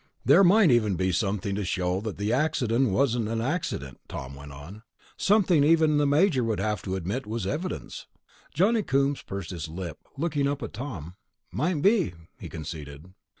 "There might even be something to show that the accident wasn't an accident," Tom went on. "Something even the Major would have to admit was evidence." Johnny Coombs pursed his lips, looking up at Tom. "Might be," he conceded.